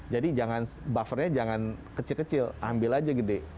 jadi jangan buffernya kecil kecil ambil aja gede